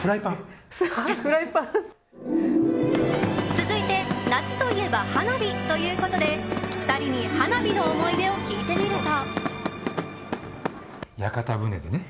続いて、夏といえば花火ということで２人に花火の思い出を聞いてみると。